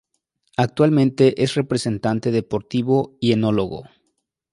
Actualmente es representante deportivo y enólogo.